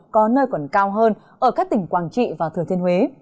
có nơi còn cao hơn ở các tỉnh quảng trị và thừa thiên huế